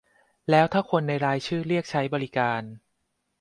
แล้วถ้าคนในรายชื่อเรียกใช้บริการ